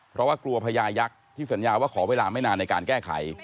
เพราะว่ากลัวพญายักษ์ที่สัญญาว่าขอเวลาไม่นานในการแก้ไข